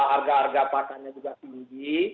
harga harga pakannya juga tinggi